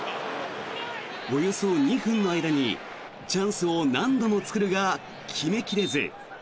およそ２分の間にチャンスを何度も作るが決め切れず。